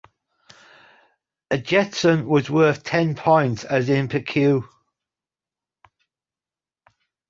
A jeton was worth ten points "as in Piquet".